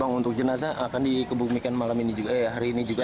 uang untuk jenazah akan dikebumikan malam ini juga ya hari ini juga